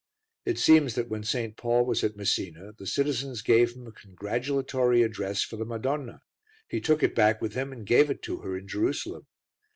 It seems that when St. Paul was at Messina the citizens gave him a congratulatory address for the Madonna; he took it back with him and gave it to her in Jerusalem.